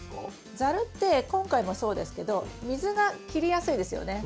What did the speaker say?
ザルって今回もそうですけど水が切りやすいですよね。